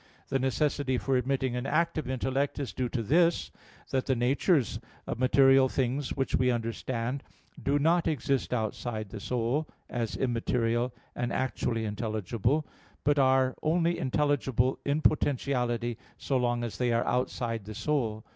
The necessity for admitting an active intellect is due to this that the natures of the material things which we understand do not exist outside the soul, as immaterial and actually intelligible, but are only intelligible in potentiality so long as they are outside the soul.